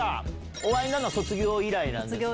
お会いになるのは卒業以来ですね。